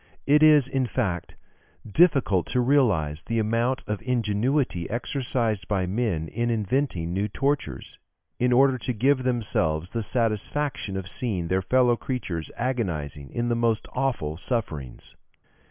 It is, in fact, difficult to realise the amount of ingenuity exercised by men in inventing new tortures, in order to give themselves the satisfaction of seeing their fellow creatures agonizing in the most awful sufferings."